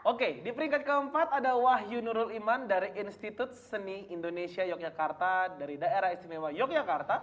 oke di peringkat keempat ada wahyu nurul iman dari institut seni indonesia yogyakarta dari daerah istimewa yogyakarta